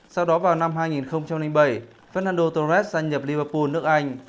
sau đó vào năm hai nghìn bảy fernando torres gia nhập libapo nước anh